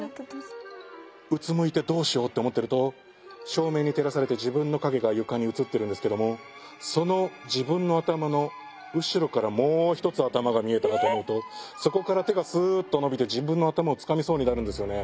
うつむいてどうしようって思ってると照明に照らされて自分の影が床に映ってるんですけどもその自分の頭の後ろからもう一つ頭が見えたかと思うとそこから手がスーッと伸びて自分の頭をつかみそうになるんですよね。